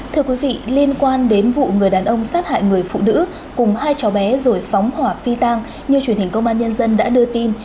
thưa quý vị liên quan đến vụ người đàn ông sát hại người phụ nữ cùng hai cháu bé rồi phóng hỏa phi tang như truyền hình công an nhân dân đã đưa tin